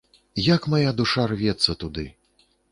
Як мая душа рвецца туды!